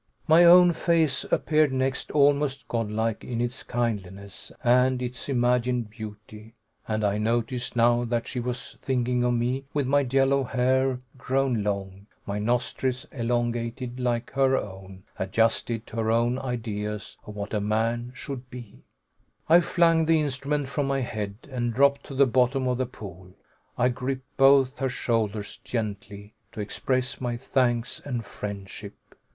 My own face appeared next, almost godlike in its kindliness and its imagined beauty, and I noticed now that she was thinking of me with my yellow hair grown long, my nostrils elongated like her own adjusted to her own ideas of what a man should be. I flung the instrument from my head and dropped to the bottom of the pool. I gripped both her shoulders, gently, to express my thanks and friendship.